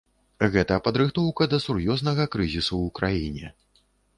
Гэта падрыхтоўка да сур'ёзнага крызісу ў краіне.